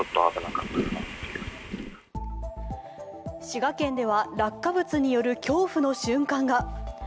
滋賀県では落下物による恐怖の瞬間が。